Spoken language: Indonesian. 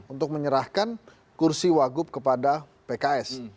untuk menyerahkan kursi wagub kepada pks